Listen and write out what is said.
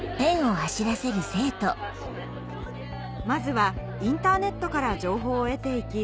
まずはインターネットから情報を得て行き